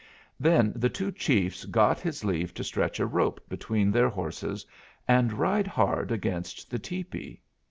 Then the two chiefs got his leave to stretch a rope between their horses and ride hard against the tepee.